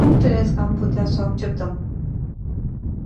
Cum credeți că am putea să o acceptăm?